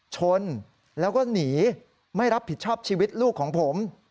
ชนแล้วก็หนีไม่รับผิดชอบชีวิตลูกของผม